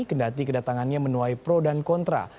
kendati kedatangannya menuai pro dan kontra